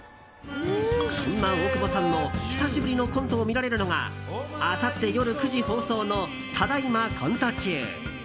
そんな大久保さんの久しぶりのコントを見られるのがあさって夜９時放送の「ただ今、コント中。」。